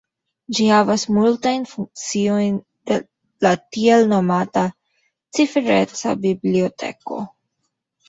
Ĝi havas multajn funkciojn de la tiel nomata cifereca biblioteko.